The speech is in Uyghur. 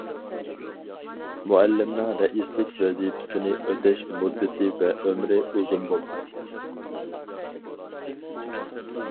مۇئەللىمنىڭ رەئىسلىك ۋەزىپىسىنى ئۆتەش مۇددىتى ۋە ئۆمرى ئۇزۇن بولغاي.